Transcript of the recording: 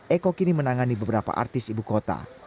eko kini menangani beberapa artis ibu kota